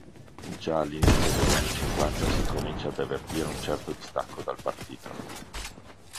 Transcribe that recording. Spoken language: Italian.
Già all'inizio degli anni cinquanta si comincia ad avvertire un certo distacco dal partito.